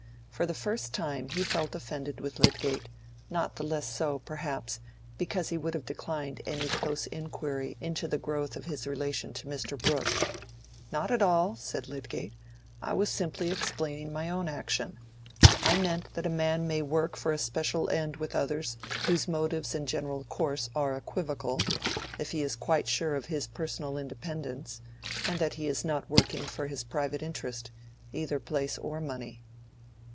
For the first time he felt offended with Lydgate; not the less so, perhaps, because he would have declined any close inquiry into the growth of his relation to Mr. Brooke. "Not at all," said Lydgate, "I was simply explaining my own action. I meant that a man may work for a special end with others whose motives and general course are equivocal, if he is quite sure of his personal independence, and that he is not working for his private interest—either place or money."